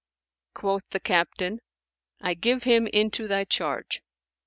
Quoth the Captain, "I give him into thy charge."